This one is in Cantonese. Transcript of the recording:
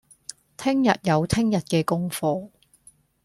聽日有聽日嘅功課